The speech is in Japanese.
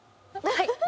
はい？